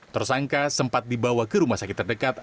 tersangka sempat dibawa ke rumah sakit terdekat